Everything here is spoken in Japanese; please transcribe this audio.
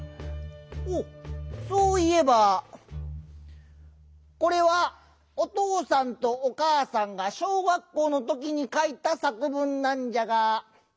おっそういえばこれはおとうさんとおかあさんが小学校のときにかいたさく文なんじゃが。